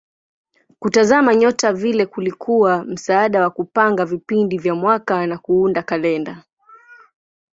Kutazama nyota vile kulikuwa msaada wa kupanga vipindi vya mwaka na kuunda kalenda.